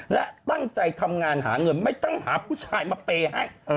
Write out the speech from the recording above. และตั้งใจทำงานหาเงินไม่ต้องหาผู้ชายมาเปย์ให้